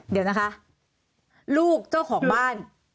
เดี๋ยวนะคะลูกเจ้าของบ้าน